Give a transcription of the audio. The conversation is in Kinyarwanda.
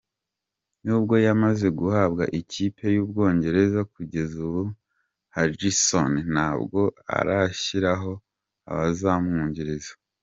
Nubwo yamaze guhabwa ikipe y’Ubwongereza, kugeza ubu Hojisoni ntabwo arashyiraho abazamwungiriza.